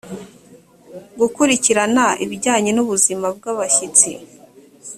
gukurikirana ibijyanye n ubuzima bw abashyitsi